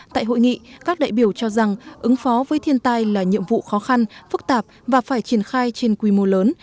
tại hội nghị các đại biểu cho rằng ứng phó với thiên tai là nhiệm vụ khó khăn phức tạp và phải triển khai trên quy mô lớn